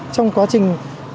trong quá trình